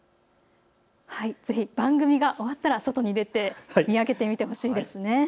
ぜひ番組が終わったら外に出て見上げてみてほしいんですね。